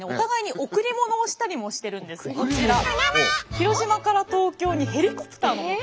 広島から東京にヘリコプターの模型。